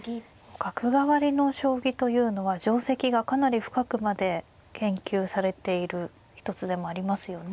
角換わりの将棋というのは定跡がかなり深くまで研究されている一つでもありますよね。